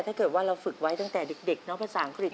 ถ้าเกิดว่าเราฝึกไว้ตั้งแต่เด็กเนอะภาษาอังกฤษ